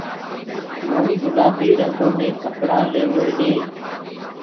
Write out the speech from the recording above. مئونٚ گُلآبي رنٚگو مي ڪپڙآ ليوو هي